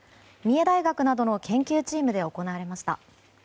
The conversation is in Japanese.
三重大学などの研究チームで行われました。